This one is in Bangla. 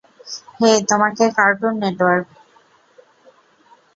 হে তোমাকে, কার্টুন নেটওয়ার্ক।